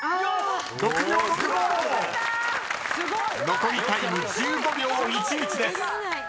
［残りタイム１５秒１１です］